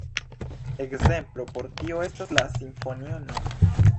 Ekzemplo por tio estas la simfonio no.